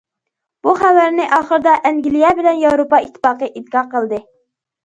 بۇ خەۋەرنى ئاخىرىدا ئەنگلىيە بىلەن ياۋروپا ئىتتىپاقى ئىنكار قىلدى.